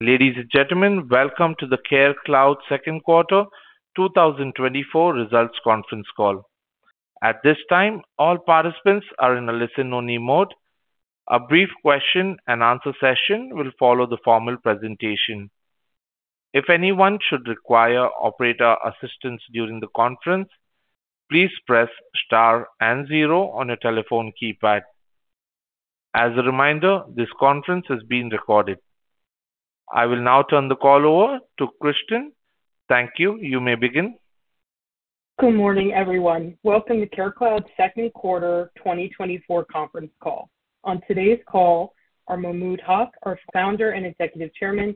Ladies and gentlemen, welcome to the CareCloud Second Quarter 2024 Results Conference Call. At this time, all participants are in a listen-only mode. A brief question-and-answer session will follow the formal presentation. If anyone should require operator assistance during the conference, please press Star and zero on your telephone keypad. As a reminder, this conference is being recorded. I will now turn the call over to Kristen. Thank you. You may begin. Good morning, everyone. Welcome to CareCloud's Second Quarter 2024 Conference Call. On today's call are Mahmud Haq, our Founder and Executive Chairman,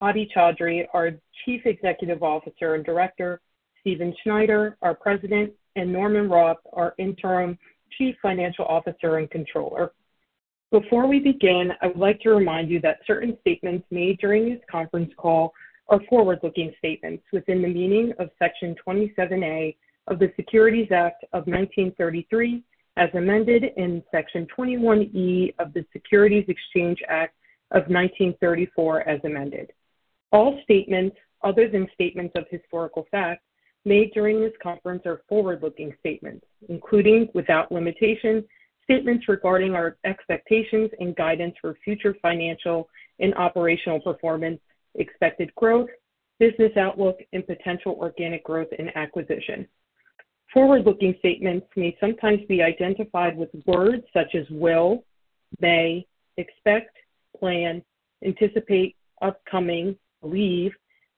Hadi Chaudhry, our Chief Executive Officer and Director, Stephen Snyder, our President, and Norman Roth, our Interim Chief Financial Officer and Controller. Before we begin, I would like to remind you that certain statements made during this conference call are forward-looking statements within the meaning of Section 27A of the Securities Act of 1933, as amended in Section 21E of the Securities Exchange Act of 1934, as amended. All statements other than statements of historical fact made during this conference are forward-looking statements, including, without limitation, statements regarding our expectations and guidance for future financial and operational performance, expected growth, business outlook, and potential organic growth and acquisition. Forward-looking statements may sometimes be identified with words such as will, may, expect, plan, anticipate, upcoming, believe,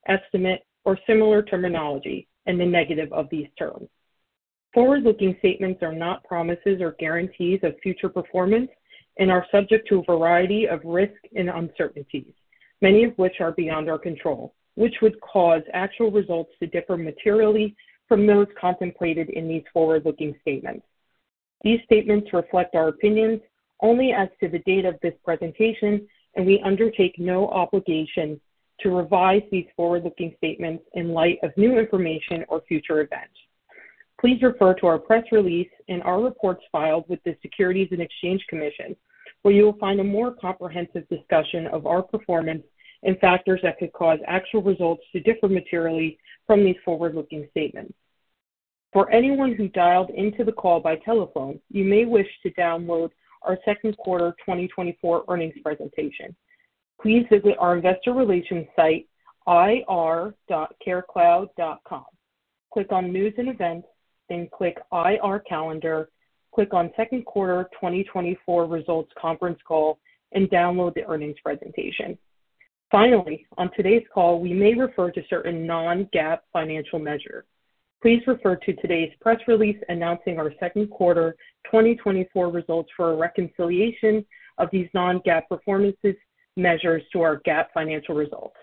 estimate, or similar terminology and the negative of these terms. Forward-looking statements are not promises or guarantees of future performance and are subject to a variety of risks and uncertainties, many of which are beyond our control, which would cause actual results to differ materially from those contemplated in these forward-looking statements. These statements reflect our opinions only as to the date of this presentation, and we undertake no obligation to revise these forward-looking statements in light of new information or future events. Please refer to our press release and our reports filed with the Securities and Exchange Commission, where you will find a more comprehensive discussion of our performance and factors that could cause actual results to differ materially from these forward-looking statements. For anyone who dialed into the call by telephone, you may wish to download our second quarter 2024 earnings presentation. Please visit our investor relations site, ir.carecloud.com. Click on News and Events, then click IR Calendar. Click on Second Quarter 2024 Results Conference Call, and download the earnings presentation. Finally, on today's call, we may refer to certain non-GAAP financial measures. Please refer to today's press release announcing our second quarter 2024 results for a reconciliation of these non-GAAP performance measures to our GAAP financial results.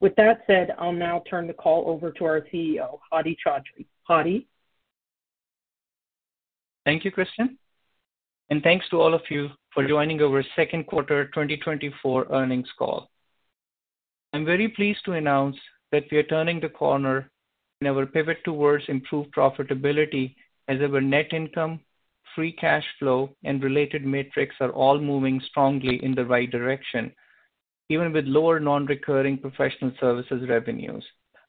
With that said, I'll now turn the call over to our CEO, Hadi Chaudhry. Hadi? Thank you, Kristen, and thanks to all of you for joining our second quarter 2024 earnings call. I'm very pleased to announce that we are turning the corner in our pivot towards improved profitability as our net income, free cash flow, and related metrics are all moving strongly in the right direction, even with lower non-recurring professional services revenues,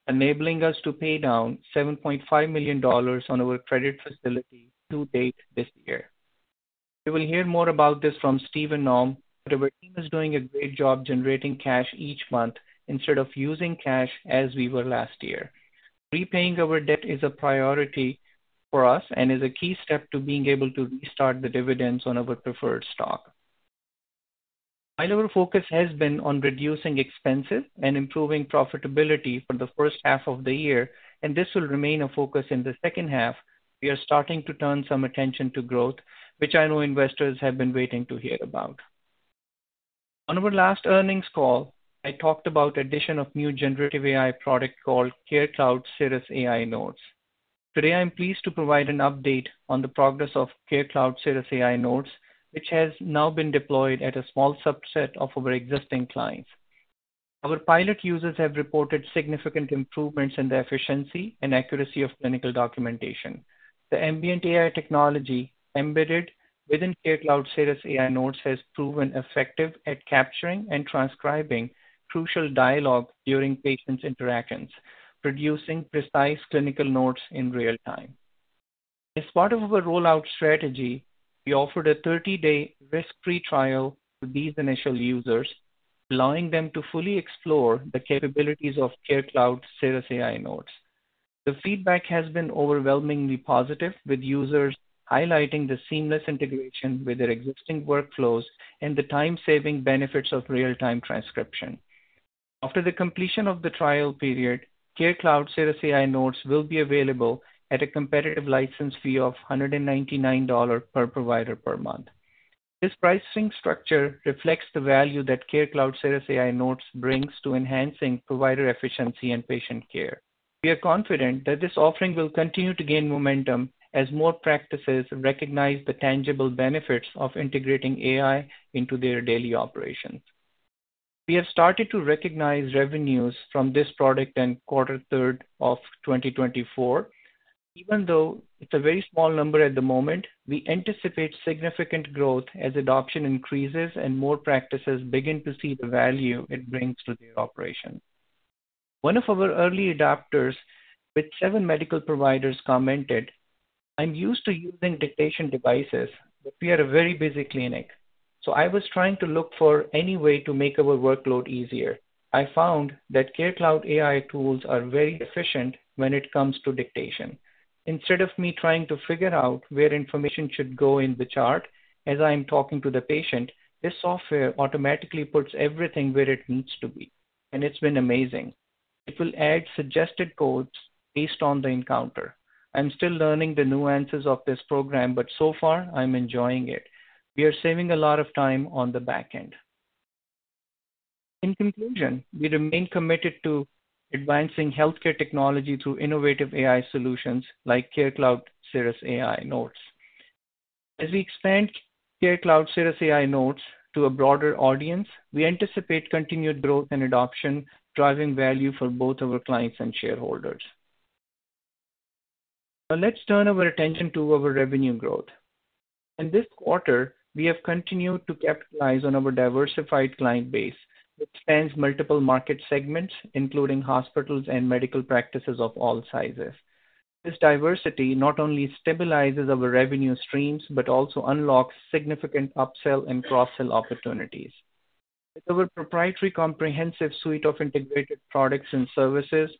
enabling us to pay down $7.5 million on our credit facility to date this year. You will hear more about this from Steve and Norm, but our team is doing a great job generating cash each month instead of using cash as we were last year. Repaying our debt is a priority for us and is a key step to being able to restart the dividends on our preferred stock. High-level focus has been on reducing expenses and improving profitability for the first half of the year, and this will remain a focus in the second half. We are starting to turn some attention to growth, which I know investors have been waiting to hear about. On our last earnings call, I talked about addition of new generative AI product called CareCloud CirrusAI Notes. Today, I'm pleased to provide an update on the progress of CareCloud CirrusAI Notes, which has now been deployed at a small subset of our existing clients. Our pilot users have reported significant improvements in the efficiency and accuracy of clinical documentation. The ambient AI technology embedded within CareCloud CirrusAI Notes has proven effective at capturing and transcribing crucial dialogue during patients' interactions, producing precise clinical notes in real time. As part of our rollout strategy, we offered a 30-day risk-free trial to these initial users, allowing them to fully explore the capabilities of CareCloud CirrusAI Notes. The feedback has been overwhelmingly positive, with users highlighting the seamless integration with their existing workflows and the time-saving benefits of real-time transcription. After the completion of the trial period, CareCloud CirrusAI Notes will be available at a competitive license fee of $199 per provider per month. This pricing structure reflects the value that CareCloud CirrusAI Notes brings to enhancing provider efficiency and patient care. We are confident that this offering will continue to gain momentum as more practices recognize the tangible benefits of integrating AI into their daily operations. We have started to recognize revenues from this product in third quarter of 2024. Even though it's a very small number at the moment, we anticipate significant growth as adoption increases and more practices begin to see the value it brings to their operation. One of our early adopters with seven medical providers commented, "I'm used to using dictation devices, but we are a very busy clinic, so I was trying to look for any way to make our workload easier. I found that CareCloud AI tools are very efficient when it comes to dictation. Instead of me trying to figure out where information should go in the chart as I'm talking to the patient, this software automatically puts everything where it needs to be, and it's been amazing. It will add suggested codes based on the encounter. I'm still learning the nuances of this program, but so far I'm enjoying it. We are saving a lot of time on the back end." In conclusion, we remain committed to advancing healthcare technology through innovative AI solutions like CareCloud CirrusAI Notes. As we expand CareCloud CirrusAI Notes to a broader audience, we anticipate continued growth and adoption, driving value for both our clients and shareholders. Now, let's turn our attention to our revenue growth. In this quarter, we have continued to capitalize on our diversified client base, which spans multiple market segments, including hospitals and medical practices of all sizes. This diversity not only stabilizes our revenue streams, but also unlocks significant upsell and cross-sell opportunities. With our proprietary, comprehensive suite of integrated products and services,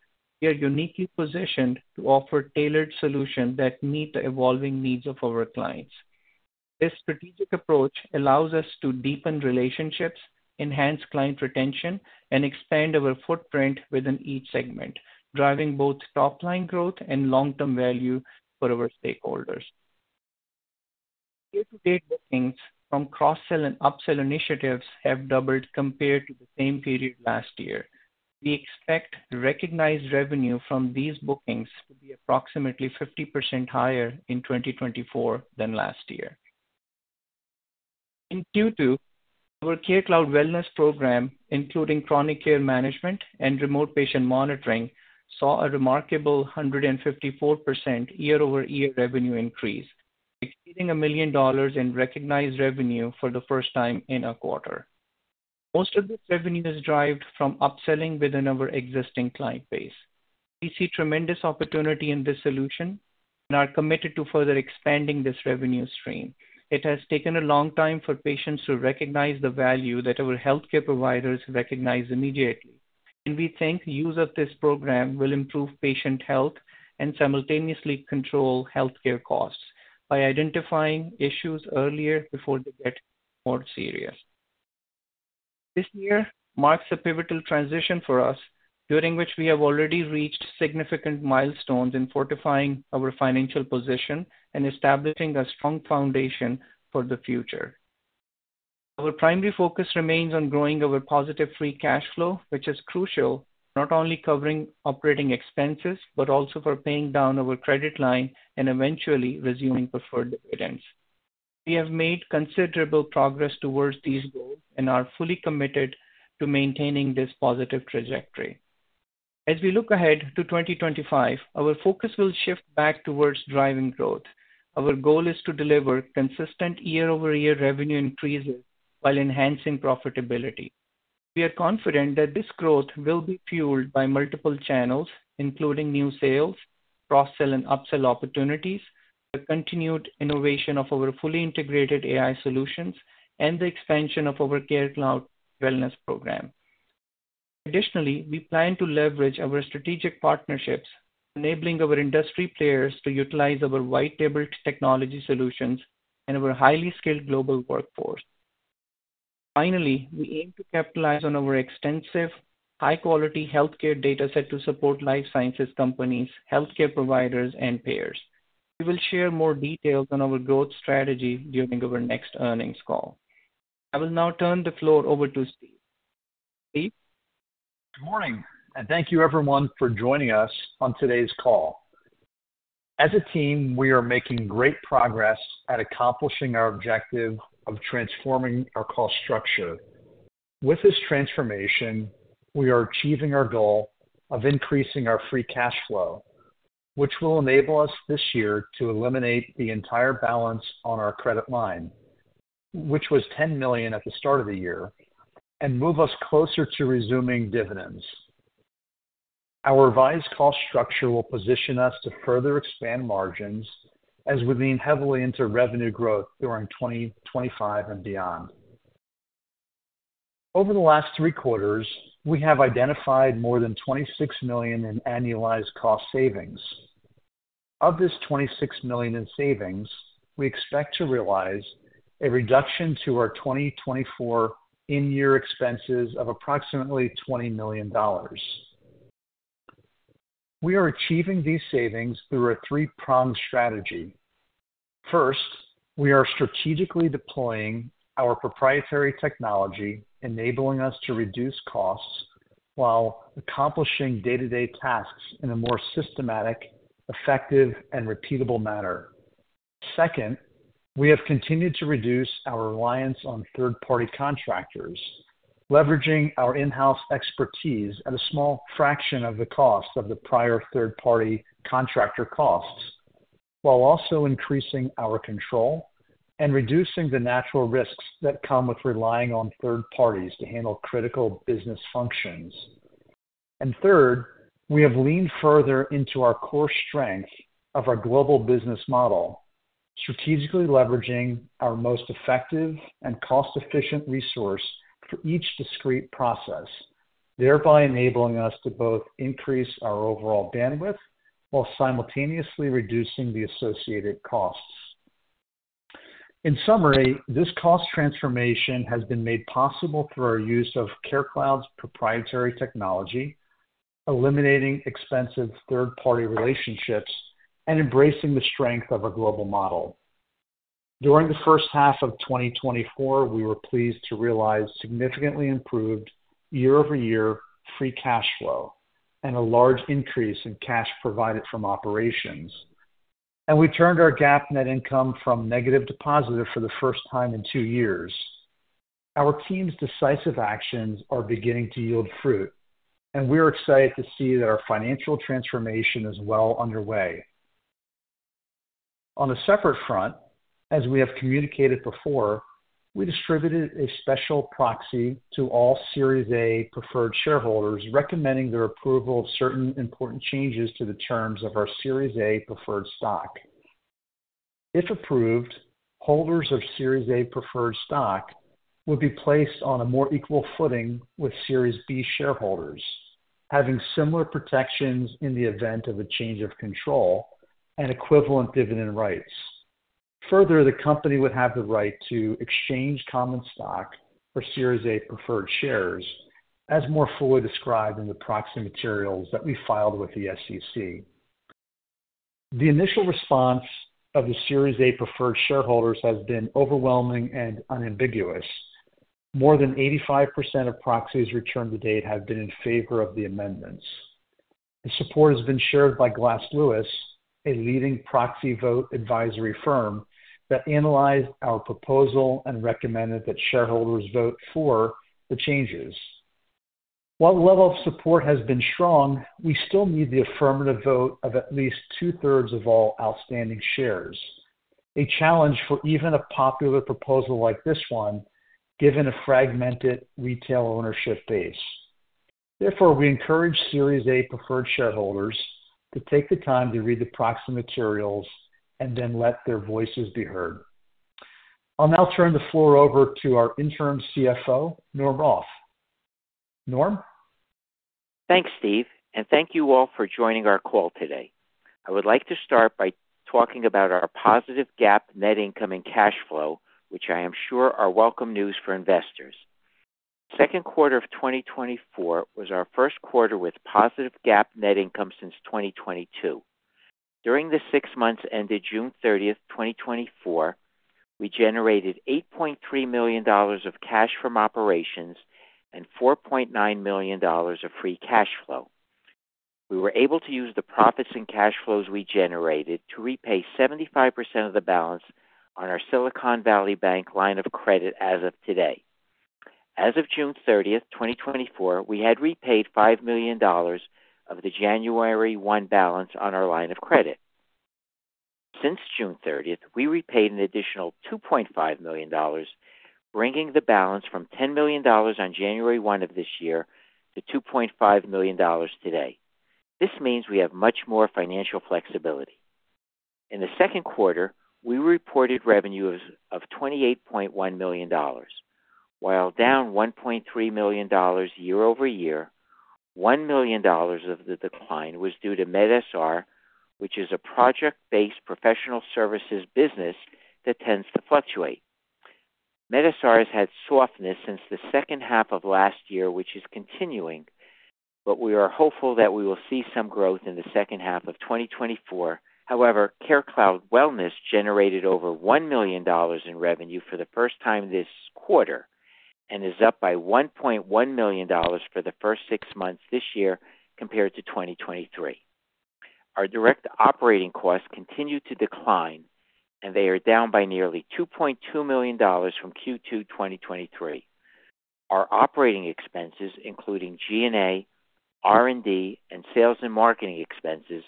we are uniquely positioned to offer tailored solutions that meet the evolving needs of our clients. This strategic approach allows us to deepen relationships, enhance client retention, and expand our footprint within each segment, driving both top-line growth and long-term value for our stakeholders. Year-to-date bookings from cross-sell and upsell initiatives have doubled compared to the same period last year. We expect recognized revenue from these bookings to be approximately 50% higher in 2024 than last year. In Q2, our CareCloud Wellness program, including Chronic Care Management and Remote Patient Monitoring, saw a remarkable 154% year-over-year revenue increase, exceeding $1 million in recognized revenue for the first time in a quarter. Most of this revenue is derived from upselling within our existing client base. We see tremendous opportunity in this solution and are committed to further expanding this revenue stream. It has taken a long time for patients to recognize the value that our healthcare providers recognize immediately, and we think use of this program will improve patient health and simultaneously control healthcare costs by identifying issues earlier before they get more serious. This year marks a pivotal transition for us, during which we have already reached significant milestones in fortifying our financial position and establishing a strong foundation for the future. Our primary focus remains on growing our positive Free Cash Flow, which is crucial, not only covering operating expenses, but also for paying down our credit line and eventually resuming preferred dividends. We have made considerable progress towards these goals and are fully committed to maintaining this positive trajectory. As we look ahead to 2025, our focus will shift back towards driving growth. Our goal is to deliver consistent year-over-year revenue increases while enhancing profitability. We are confident that this growth will be fueled by multiple channels, including new sales, cross-sell, and upsell opportunities, the continued innovation of our fully integrated AI solutions, and the expansion of our CareCloud Wellness program. Additionally, we plan to leverage our strategic partnerships, enabling our industry players to utilize our white-labeled technology solutions and our highly skilled global workforce. Finally, we aim to capitalize on our extensive, high-quality healthcare data set to support life sciences companies, healthcare providers, and payers. We will share more details on our growth strategy during our next earnings call. I will now turn the floor over to Steve. Steve? Good morning, and thank you, everyone, for joining us on today's call. As a team, we are making great progress at accomplishing our objective of transforming our cost structure. With this transformation, we are achieving our goal of increasing our free cash flow, which will enable us this year to eliminate the entire balance on our credit line, which was $10 million at the start of the year, and move us closer to resuming dividends. Our revised cost structure will position us to further expand margins as we lean heavily into revenue growth during 2025 and beyond. Over the last three quarters, we have identified more than $26 million in annualized cost savings. Of this $26 million in savings, we expect to realize a reduction to our 2024 in-year expenses of approximately $20 million. We are achieving these savings through a three-pronged strategy. First, we are strategically deploying our proprietary technology, enabling us to reduce costs while accomplishing day-to-day tasks in a more systematic, effective, and repeatable manner. Second, we have continued to reduce our reliance on third-party contractors, leveraging our in-house expertise at a small fraction of the cost of the prior third-party contractor costs, while also increasing our control and reducing the natural risks that come with relying on third parties to handle critical business functions. And third, we have leaned further into our core strength of our global business model, strategically leveraging our most effective and cost-efficient resource for each discrete process, thereby enabling us to both increase our overall bandwidth while simultaneously reducing the associated costs. In summary, this cost transformation has been made possible through our use of CareCloud's proprietary technology, eliminating expensive third-party relationships, and embracing the strength of our global model. During the first half of 2024, we were pleased to realize significantly improved year-over-year Free Cash Flow and a large increase in cash provided from operations, and we turned our GAAP net income from negative to positive for the first time in two years. Our team's decisive actions are beginning to yield fruit, and we are excited to see that our financial transformation is well underway. On a separate front, as we have communicated before, we distributed a special proxy to all Series A Preferred Stock shareholders, recommending their approval of certain important changes to the terms of our Series A Preferred Stock. If approved, holders of Series A Preferred Stock would be placed on a more equal footing with Series B shareholders, having similar protections in the event of a change of control and equivalent dividend rights. Further, the company would have the right to exchange common stock for Series A preferred shares, as more fully described in the proxy materials that we filed with the SEC. The initial response of the Series A preferred shareholders has been overwhelming and unambiguous. More than 85% of proxies returned to date have been in favor of the amendments. The support has been shared by Glass Lewis, a leading proxy vote advisory firm, that analyzed our proposal and recommended that shareholders vote for the changes. While the level of support has been strong, we still need the affirmative vote of at least two-thirds of all outstanding shares, a challenge for even a popular proposal like this one, given a fragmented retail ownership base. Therefore, we encourage Series A preferred shareholders to take the time to read the proxy materials and then let their voices be heard. I'll now turn the floor over to our interim CFO, Norman Roth. Norman? Thanks, Steve, and thank you all for joining our call today. I would like to start by talking about our positive GAAP net income and cash flow, which I am sure are welcome news for investors. Second quarter of 2024 was our first quarter with positive GAAP net income since 2022. During the six months ended June 30, 2024, we generated $8.3 million of cash from operations and $4.9 million of free cash flow. We were able to use the profits and cash flows we generated to repay 75% of the balance on our Silicon Valley Bank line of credit as of today. As of June 30, 2024, we had repaid $5 million of the January 1 balance on our line of credit. Since June 30, we repaid an additional $2.5 million, bringing the balance from $10 million on January 1 of this year to $2.5 million today. This means we have much more financial flexibility. In the second quarter, we reported revenues of $28.1 million. While down $1.3 million year-over-year, $1 million of the decline was due to medSR, which is a project-based professional services business that tends to fluctuate. MedSR has had softness since the second half of last year, which is continuing, but we are hopeful that we will see some growth in the second half of 2024. However, CareCloud Wellness generated over $1 million in revenue for the first time this quarter and is up by $1.1 million for the first six months this year compared to 2023. Our direct operating costs continue to decline, and they are down by nearly $2.2 million from Q2 2023. Our operating expenses, including G&A, R&D, and sales and marketing expenses,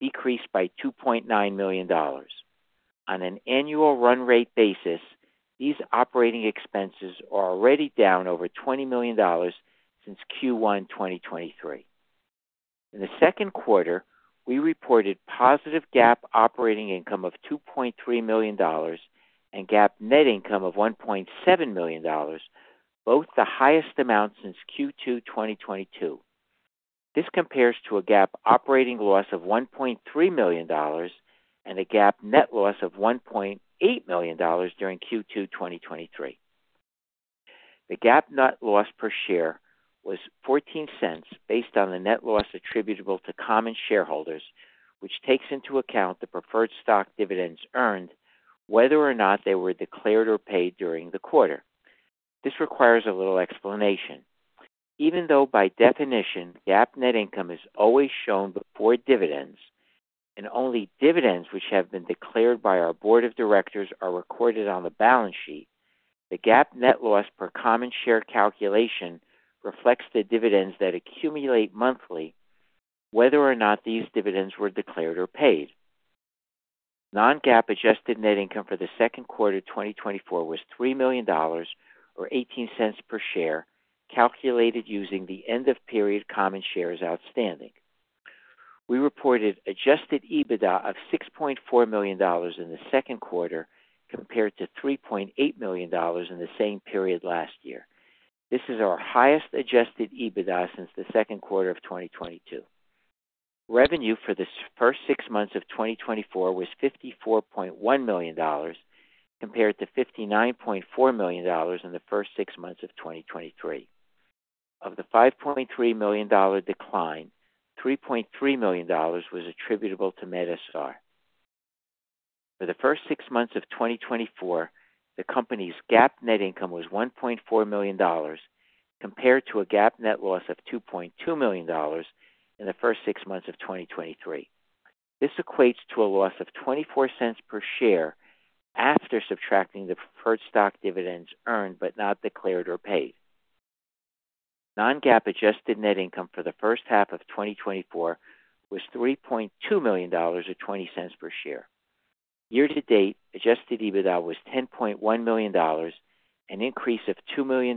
decreased by $2.9 million. On an annual run rate basis, these operating expenses are already down over $20 million since Q1 2023. In the second quarter, we reported positive GAAP operating income of $2.3 million and GAAP net income of $1.7 million, both the highest amount since Q2 2022. This compares to a GAAP operating loss of $1.3 million and a GAAP net loss of $1.8 million during Q2 2023. The GAAP net loss per share was $0.14, based on the net loss attributable to common shareholders, which takes into account the preferred stock dividends earned, whether or not they were declared or paid during the quarter. This requires a little explanation. Even though, by definition, GAAP net income is always shown before dividends, and only dividends which have been declared by our board of directors are recorded on the balance sheet, the GAAP net loss per common share calculation reflects the dividends that accumulate monthly, whether or not these dividends were declared or paid. Non-GAAP adjusted net income for the second quarter of 2024 was $3 million, or $0.18 per share, calculated using the end of period common shares outstanding. We reported Adjusted EBITDA of $6.4 million in the second quarter, compared to $3.8 million in the same period last year. This is our highest Adjusted EBITDA since the second quarter of 2022. Revenue for the first six months of 2024 was $54.1 million, compared to $59.4 million in the first six months of 2023. Of the $5.3 million decline, $3.3 million was attributable to medSR. For the first six months of 2024, the company's GAAP net income was $1.4 million, compared to a GAAP net loss of $2.2 million in the first six months of 2023. This equates to a loss of $0.24 per share after subtracting the preferred stock dividends earned but not declared or paid. Non-GAAP adjusted net income for the first half of 2024 was $3.2 million, or $0.20 per share. Year-to-date, Adjusted EBITDA was $10.1 million, an increase of $2 million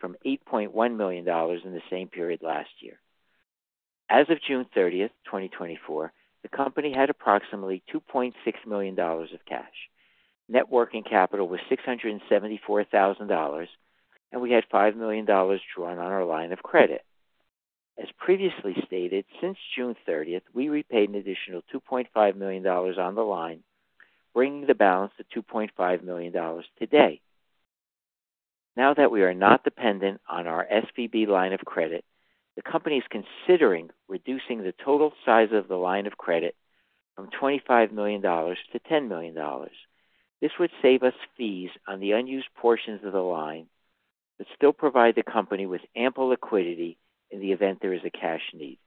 from $8.1 million in the same period last year. As of June 30, 2024, the company had approximately $2.6 million of cash. Net working capital was $674,000, and we had $5 million drawn on our line of credit. As previously stated, since June 30th, we repaid an additional $2.5 million on the line, bringing the balance to $2.5 million today. Now that we are not dependent on our SVB line of credit, the company is considering reducing the total size of the line of credit from $25 million-$10 million. This would save us fees on the unused portions of the line, but still provide the company with ample liquidity in the event there is a cash need.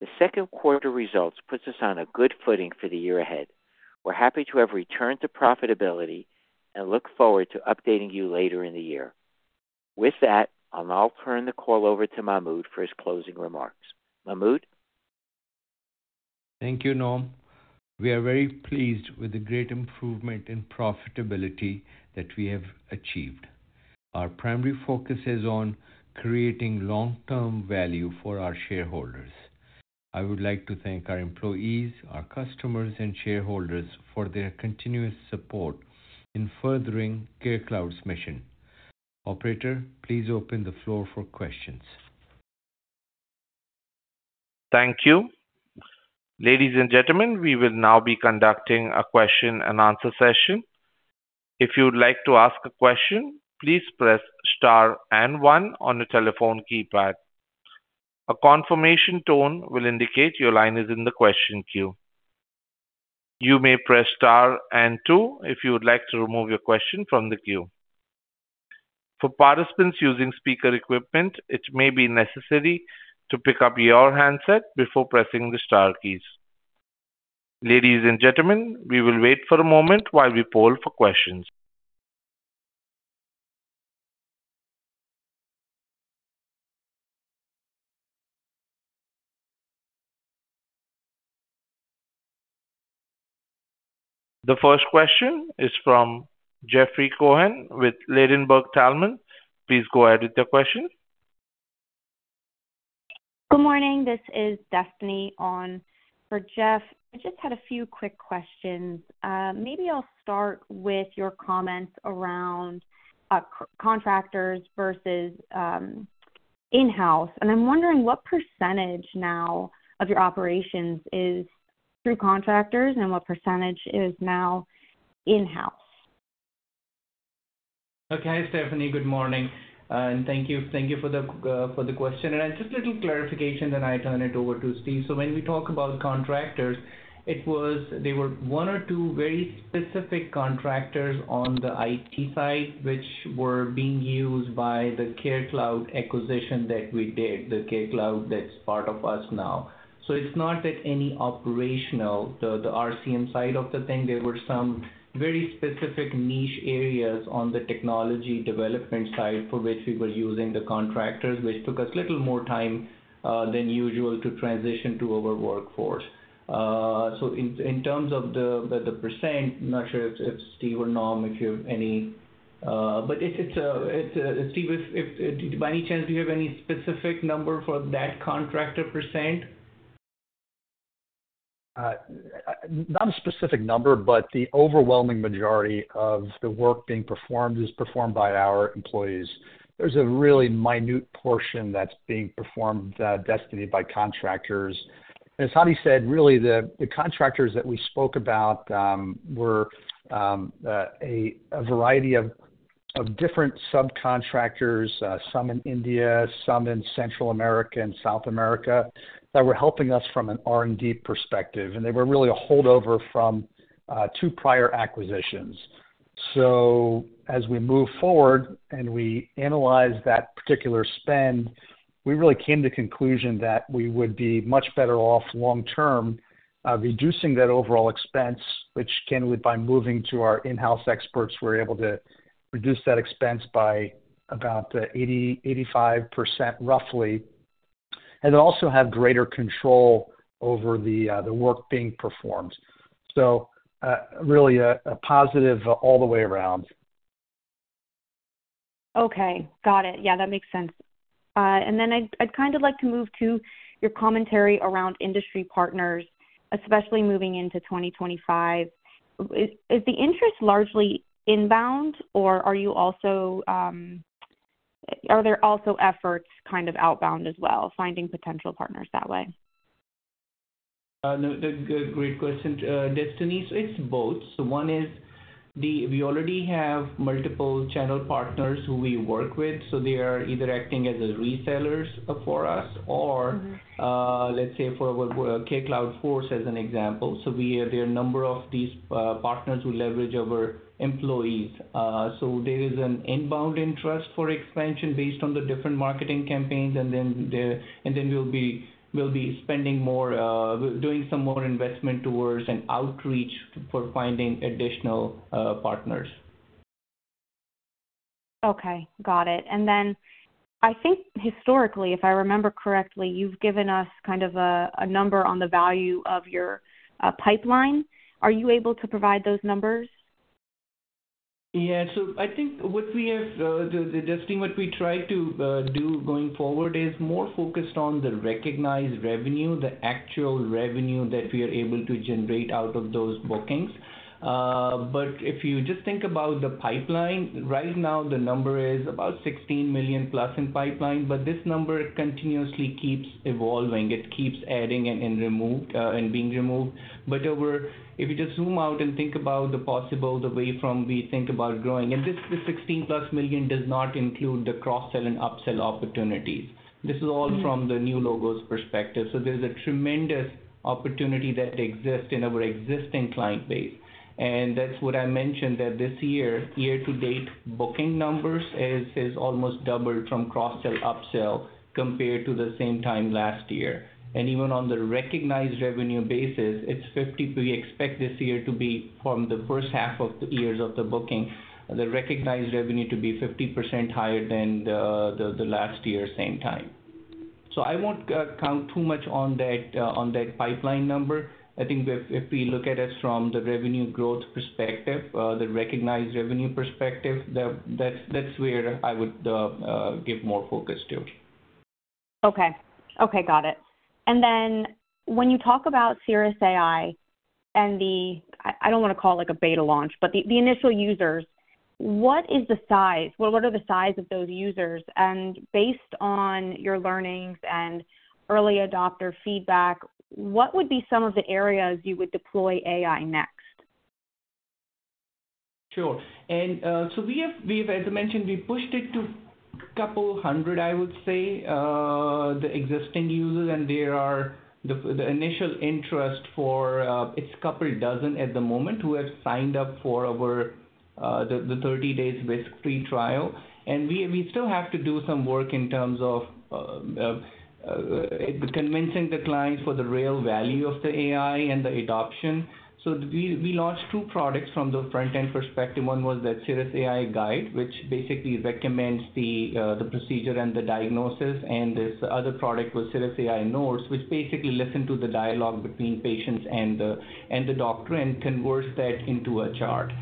The second quarter results puts us on a good footing for the year ahead. We're happy to have returned to profitability and look forward to updating you later in the year. With that, I'll now turn the call over to Mahmud for his closing remarks. Mahmud? Thank you, Norm. We are very pleased with the great improvement in profitability that we have achieved. Our primary focus is on creating long-term value for our shareholders. I would like to thank our employees, our customers, and shareholders for their continuous support in furthering CareCloud's mission. Operator, please open the floor for questions. Thank you. Ladies and gentlemen, we will now be conducting a question and answer session. If you would like to ask a question, please press star and one on your telephone keypad. A confirmation tone will indicate your line is in the question queue. You may press star and two if you would like to remove your question from the queue. For participants using speaker equipment, it may be necessary to pick up your handset before pressing the star keys. Ladies and gentlemen, we will wait for a moment while we poll for questions. The first question is from Jeffrey Cohen with Ladenburg Thalmann. Please go ahead with your question. Good morning, this is Destiny on for Jeff. I just had a few quick questions. Maybe I'll start with your comments around contractors versus in-house. And I'm wondering what percentage now of your operations is through contractors and what percentage is now in-house? Okay, Destiny good morning, and thank you. Thank you for the, for the question. Just a little clarification, then I turn it over to Steve. So when we talk about contractors, it was they were one or two very specific contractors on the IT side, which were being used by the CareCloud acquisition that we did, the CareCloud that's part of us now. So it's not at any operational, the RCM side of the thing. There were some very specific niche areas on the technology development side for which we were using the contractors, which took us a little more time than usual to transition to our workforce. So in terms of the percent, I'm not sure if Steve or Norman if you have any. But, Steve, if by any chance, do you have any specific number for that contractor percent? Not a specific number, but the overwhelming majority of the work being performed is performed by our employees. There's a really minute portion that's being performed, Destiny, by contractors. As Hadi said, really, the contractors that we spoke about were a variety of different subcontractors, some in India, some in Central America and South America, that were helping us from an R&D perspective, and they were really a holdover from two prior acquisitions.... So as we move forward and we analyze that particular spend, we really came to conclusion that we would be much better off long term, reducing that overall expense, which can, by moving to our in-house experts, we're able to reduce that expense by about 80%-85% roughly, and also have greater control over the, the work being performed. So, really a, a positive all the way around. Okay. Got it. Yeah, that makes sense. Then I'd kind of like to move to your commentary around industry partners, especially moving into 2025. Is the interest largely inbound, or are there also efforts kind of outbound as well, finding potential partners that way? No, that's a great question, Destiny. So it's both. So one is the—we already have multiple channel partners who we work with, so they are either acting as resellers for us or- Mm-hmm. Let's say for what, CareCloud Force as an example. So we, there are a number of these partners who leverage our employees. So there is an inbound interest for expansion based on the different marketing campaigns, and then we'll be, we'll be spending more. We're doing some more investment towards an outreach for finding additional partners. Okay, got it. And then I think historically, if I remember correctly, you've given us kind of a number on the value of your pipeline. Are you able to provide those numbers? Yeah. So I think what we have, Destiny, what we try to do going forward is more focused on the recognized revenue, the actual revenue that we are able to generate out of those bookings. But if you just think about the pipeline, right now, the number is about $16+ million in pipeline, but this number continuously keeps evolving. It keeps adding and removed, and being removed. But overall, if you just zoom out and think about the possible, the way we think about growing, and this, the $16+ million does not include the cross-sell and upsell opportunities. Mm-hmm. This is all from the new logos perspective. So there's a tremendous opportunity that exists in our existing client base, and that's what I mentioned, that this year, year-to-date booking numbers is almost doubled from cross-sell, upsell, compared to the same time last year. And even on the recognized revenue basis, it's 50%-- we expect this year to be from the first half of the years of the booking, the recognized revenue to be 50% higher than the last year, same time. So I won't count too much on that, on that pipeline number. I think if we look at it from the revenue growth perspective, the recognized revenue perspective, that's where I would give more focus to. Okay. Okay, got it. And then when you talk about Cirrus AI and the... I, I don't want to call it like a beta launch, but the, the initial users, what is the size-- well, what are the size of those users? And based on your learnings and early adopter feedback, what would be some of the areas you would deploy AI next? Sure. And, so we have, we've, as I mentioned, we pushed it to a couple hundred, I would say, the existing users, and there are the initial interest for, it's a couple dozen at the moment who have signed up for our, the 30-day risk free trial. And we, we still have to do some work in terms of, convincing the clients for the real value of the AI and the adoption. So we, we launched two products from the front-end perspective. One was the CirrusAI Guide, which basically recommends the, the procedure and the diagnosis, and this other product was CirrusAI Notes, which basically listen to the dialogue between patients and the, and the doctor and converts that into a chart.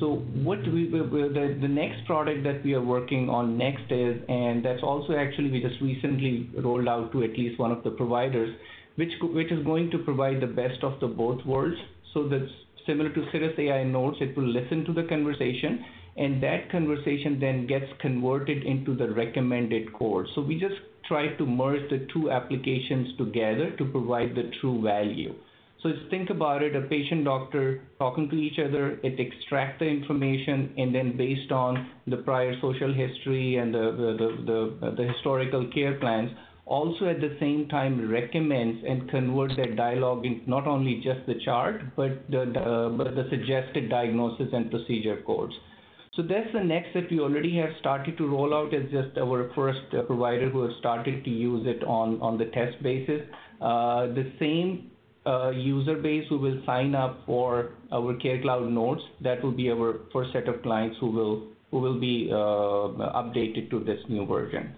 So what we the next product that we are working on next is, and that's also actually we just recently rolled out to at least one of the providers, which is going to provide the best of both worlds. So that's similar to CirrusAI Notes. It will listen to the conversation, and that conversation then gets converted into the recommended course. So we just try to merge the two applications together to provide the true value. So just think about it, a patient-doctor talking to each other, it extracts the information, and then based on the prior social history and the historical care plans, also at the same time recommends and converts that dialogue in not only just the chart, but the suggested diagnosis and procedure codes. So that's the next that we already have started to roll out as just our first provider who have started to use it on the test basis. The same user base who will sign up for our CareCloud Notes, that will be our first set of clients who will be updated to this new version.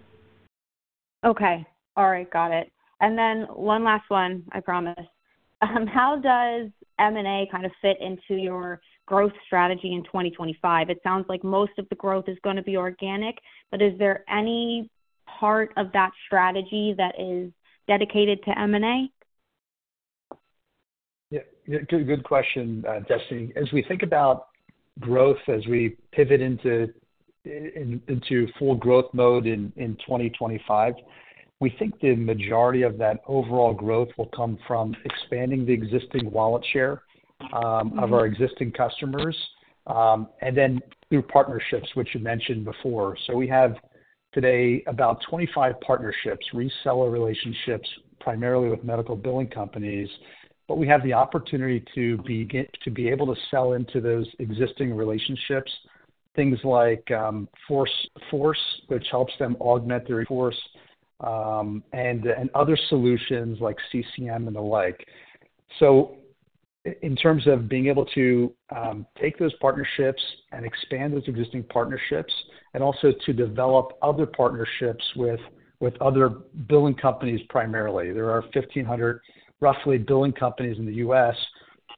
Okay. All right, got it. Then one last one, I promise. How does M&A kind of fit into your growth strategy in 2025? It sounds like most of the growth is gonna be organic, but is there any part of that strategy that is dedicated to M&A? Yeah, yeah, good, good question, Destiny. As we think about growth, as we pivot into full growth mode in 2025, we think the majority of that overall growth will come from expanding the existing wallet share. Mm-hmm... of our existing customers, and then through partnerships, which you mentioned before. So we have today, about 25 partnerships, reseller relationships, primarily with medical billing companies. But we have the opportunity to be able to sell into those existing relationships, things like, Force, which helps them augment their Force, and other solutions like CCM and the like. So in terms of being able to take those partnerships and expand those existing partnerships and also to develop other partnerships with other billing companies, primarily, there are 1,500, roughly billing companies in the U.S.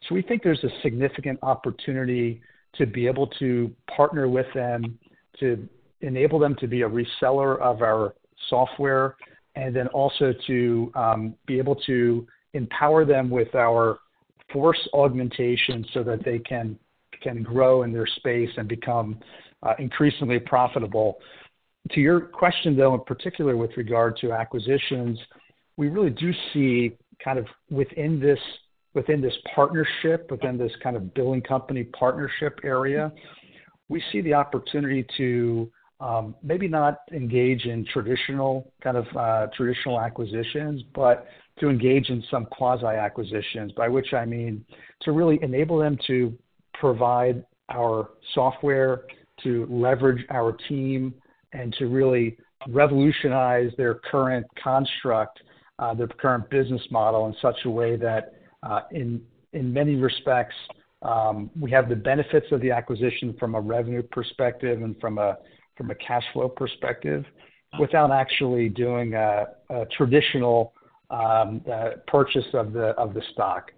So we think there's a significant opportunity to be able to partner with them, to enable them to be a reseller of our software, and then also to be able to empower them with our force augmentation so that they can grow in their space and become increasingly profitable. To your question, though, in particular with regard to acquisitions, we really do see kind of within this, within this partnership, within this kind of billing company partnership area, we see the opportunity to maybe not engage in traditional, kind of traditional acquisitions, but to engage in some quasi acquisitions. By which I mean, to really enable them to provide our software, to leverage our team and to really revolutionize their current construct, their current business model in such a way that, in many respects, we have the benefits of the acquisition from a revenue perspective and from a cash flow perspective, without actually doing a traditional purchase of the stock.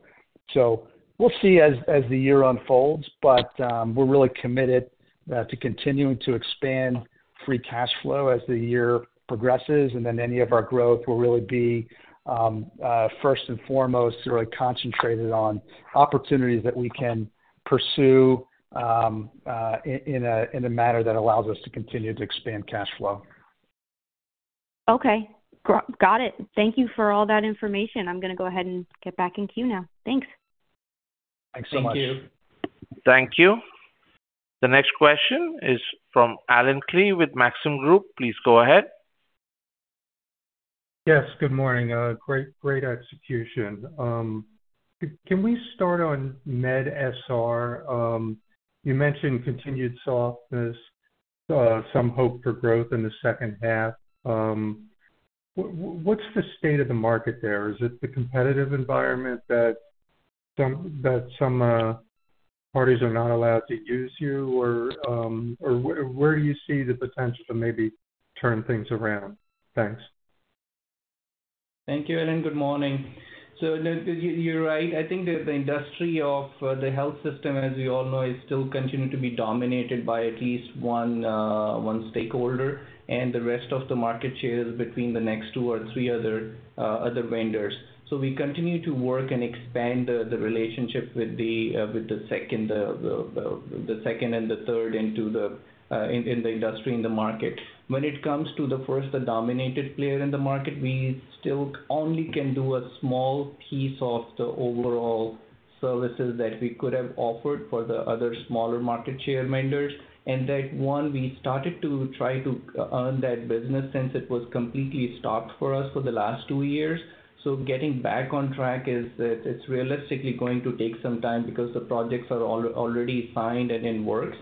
So we'll see as the year unfolds, but, we're really committed to continuing to expand Free Cash Flow as the year progresses. And then any of our growth will really be first and foremost, really concentrated on opportunities that we can pursue in a manner that allows us to continue to expand cash flow. Okay, got it. Thank you for all that information. I'm going to go ahead and get back in queue now. Thanks. Thanks so much. Thank you. Thank you. The next question is from Allen Klee with Maxim Group. Please go ahead. Yes, good morning. Great, great execution. Can we start on medSR? You mentioned continued softness, some hope for growth in the second half. What's the state of the market there? Is it the competitive environment that some parties are not allowed to use you? Or where do you see the potential to maybe turn things around? Thanks. Thank you, Allen. Good morning. So, you're right. I think the industry of the health system, as we all know, is still continuing to be dominated by at least one stakeholder, and the rest of the market share is between the next two or three other vendors. So we continue to work and expand the relationship with the second and the third in the industry, in the market. When it comes to the first, the dominated player in the market, we still only can do a small piece of the overall services that we could have offered for the other smaller market share vendors. And that one, we started to try to earn that business since it was completely stopped for us for the last two years. So getting back on track is, it's realistically going to take some time because the projects are already signed and in works.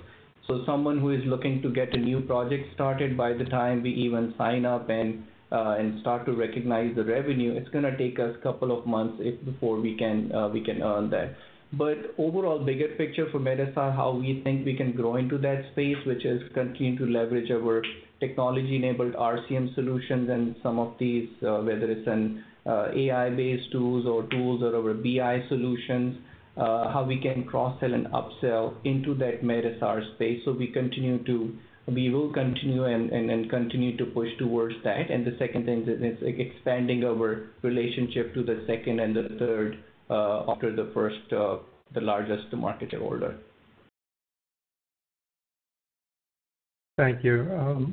So someone who is looking to get a new project started by the time we even sign up and and start to recognize the revenue, it's going to take us a couple of months if before we can we can earn that. But overall, bigger picture for medSR, how we think we can grow into that space, which is continuing to leverage our technology-enabled RCM solutions and some of these, whether it's an AI-based tools or tools or our BI solutions, how we can cross-sell and upsell into that medSR space. So we continue to we will continue and and and continue to push towards that. And the second thing is expanding our relationship to the second and the third, after the first, the largest market order. Thank you.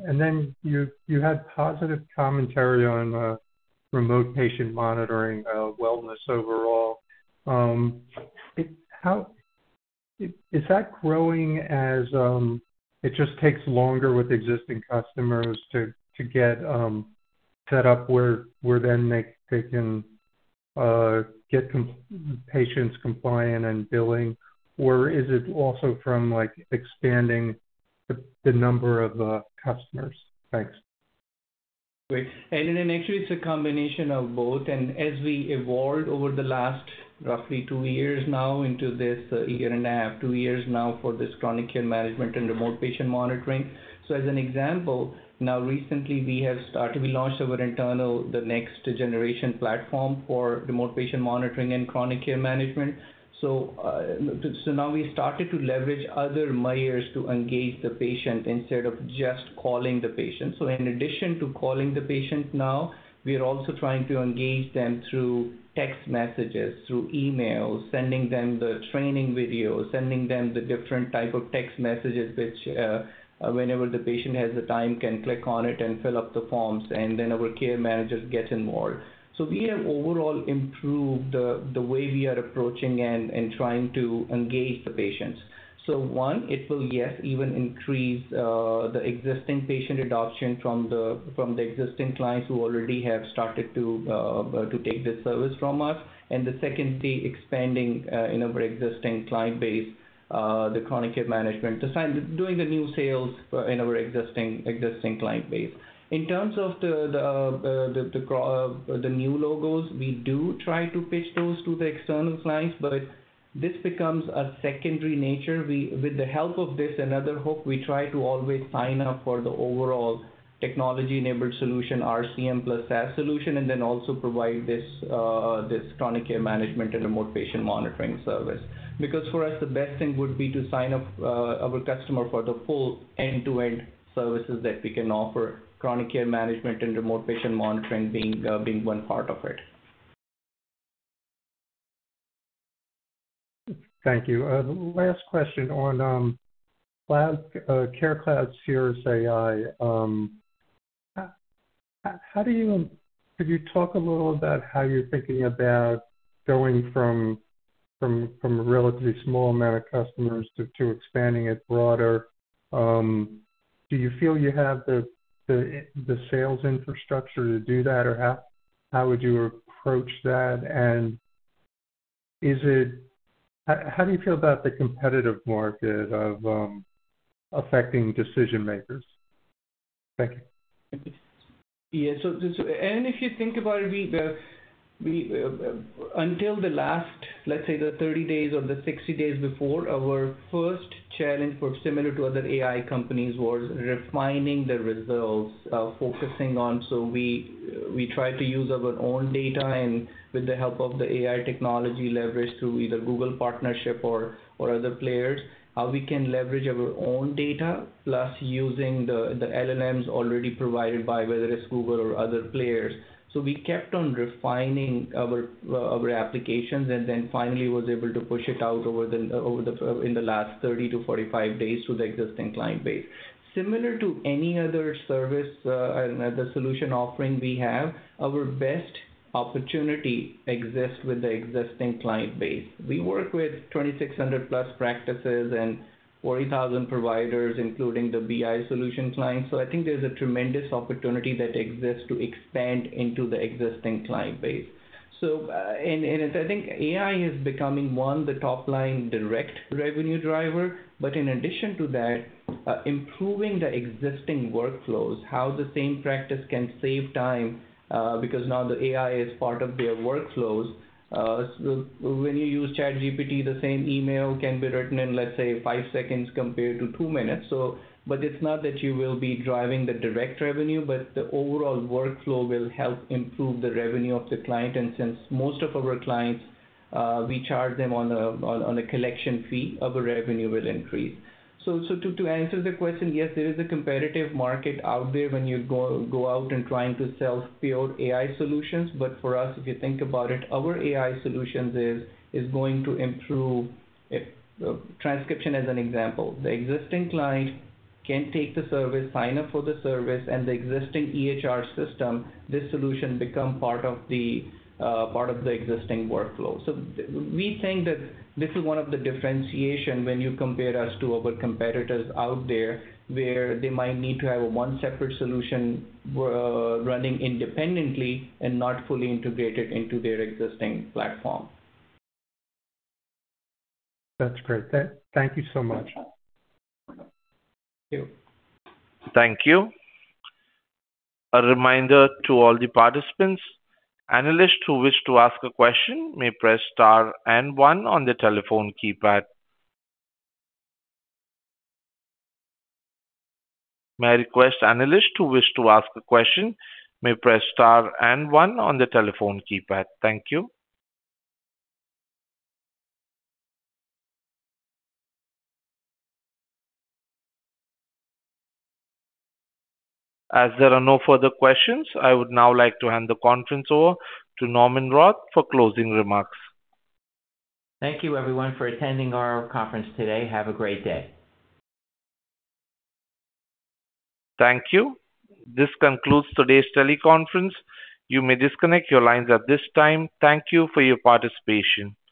And then you had positive commentary on remote patient monitoring, wellness overall. Is that growing as it just takes longer with existing customers to get set up where then they can get patients compliant and billing? Or is it also from like expanding the number of customers? Thanks.... Great. And then actually, it's a combination of both. And as we evolved over the last roughly two years now into this, a year and a half, two years now, for this Chronic Care Management and Remote Patient Monitoring. So as an example, now, recently we launched our internal next-generation platform for Remote Patient Monitoring and Chronic Care Management. So, so now we started to leverage other layers to engage the patient instead of just calling the patient. So in addition to calling the patient now, we are also trying to engage them through text messages, through emails, sending them the training videos, sending them the different type of text messages, which, whenever the patient has the time, can click on it and fill up the forms, and then our care managers get involved. So we have overall improved the way we are approaching and trying to engage the patients. So one, it will, yes, even increase the existing patient adoption from the existing clients who already have started to take this service from us. And the secondly, expanding in our existing client base the Chronic Care Management. To sign doing the new sales in our existing client base. In terms of the new logos, we do try to pitch those to the external clients, but this becomes a secondary nature. With the help of this and other hook, we try to always sign up for the overall technology-enabled solution, RCM plus SaaS solution, and then also provide this this Chronic Care Management and Remote Patient Monitoring service. Because for us, the best thing would be to sign up, our customer for the full end-to-end services that we can offer, Chronic Care Management and Remote Patient Monitoring being one part of it. Thank you. The last question on CareCloud CirrusAI. How do you... Could you talk a little about how you're thinking about going from a relatively small amount of customers to expanding it broader? Do you feel you have the sales infrastructure to do that, or how would you approach that? And is it-- How do you feel about the competitive market of affecting decision makers? Thank you. Yeah, so, and if you think about it, we, we, until the last, let's say, the 30 days or the 60 days before, our first challenge was similar to other AI companies, was refining the results, focusing on. So we, we tried to use our own data and with the help of the AI technology leverage through either Google partnership or, or other players, how we can leverage our own data, plus using the, the LLMs already provided by whether it's Google or other players. So we kept on refining our, our applications and then finally was able to push it out over the, over the, in the last 30-45 days to the existing client base. Similar to any other service, and the solution offering we have, our best opportunity exists with the existing client base. We work with 2,600+ practices and 40,000 providers, including the BI solution clients. So I think there's a tremendous opportunity that exists to expand into the existing client base. So, and, and I think AI is becoming, one, the top line direct revenue driver, but in addition to that, improving the existing workflows, how the same practice can save time, because now the AI is part of their workflows. So when you use ChatGPT, the same email can be written in, let's say, five seconds compared to two minutes. So but it's not that you will be driving the direct revenue, but the overall workflow will help improve the revenue of the client. And since most of our clients, we charge them on a, on, on a collection fee, our revenue will increase. So, to answer the question, yes, there is a competitive market out there when you go out and trying to sell pure AI solutions. But for us, if you think about it, our AI solutions is going to improve it. Transcription, as an example, the existing client can take the service, sign up for the service and the existing EHR system, this solution become part of the part of the existing workflow. So we think that this is one of the differentiation when you compare us to our competitors out there, where they might need to have one separate solution running independently and not fully integrated into their existing platform. That's great. Thank you so much. Thank you. Thank you. A reminder to all the participants, analysts who wish to ask a question may press star and one on their telephone keypad. May I request analysts who wish to ask a question may press star and one on their telephone keypad. Thank you. As there are no further questions, I would now like to hand the conference over to Norman Roth for closing remarks. Thank you, everyone, for attending our conference today. Have a great day. Thank you. This concludes today's teleconference. You may disconnect your lines at this time. Thank you for your participation.